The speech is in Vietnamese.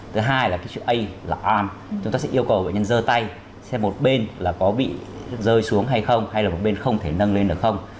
thứ hai là cái chuyện a là an chúng ta sẽ yêu cầu bệnh nhân dơ tay xem một bên là có bị rơi xuống hay không hay là một bên không thể nâng lên được không